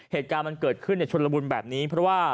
เหตุการณ์มันเกิดขึ้นชนละมุนแบบนี้เพราะว่า